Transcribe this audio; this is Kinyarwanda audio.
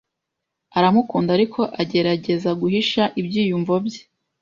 Aramukunda, ariko agerageza guhisha ibyiyumvo bye.